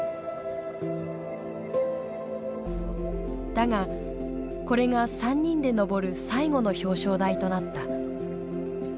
だがこれが３人でのぼる最後の表彰台となった。